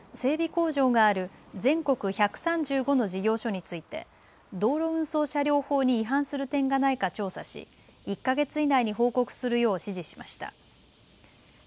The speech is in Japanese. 工場がある全国１３５の事業所について道路運送車両法に違反する点がないか調査し１か月以内に報告するよう指示しました。